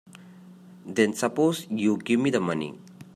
Then suppose you give me the money.